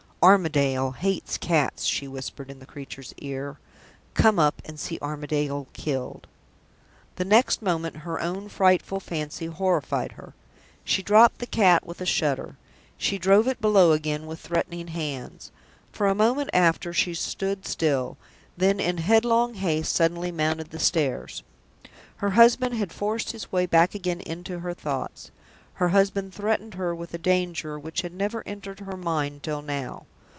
"Armadale hates cats," she whispered in the creature's ear. "Come up and see Armadale killed!" The next moment her own frightful fancy horrified her. She dropped the cat with a shudder; she drove it below again with threatening hands. For a moment after, she stood still, then in headlong haste suddenly mounted the stairs. Her husband had forced his way back again into her thoughts; her husband threatened her with a danger which had never entered her mind till now.